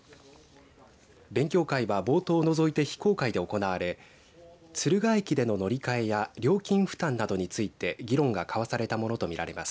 勉強会は冒頭を除いて非公開で行われ敦賀駅での乗り換えや料金負担などについて議論が交わされたものとみられます。